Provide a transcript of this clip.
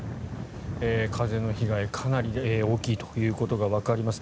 風の被害、かなり大きいということがわかります。